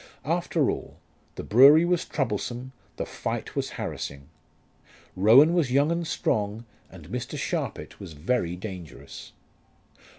After all, the brewery was troublesome, the fight was harassing. Rowan was young and strong, and Mr. Sharpit was very dangerous.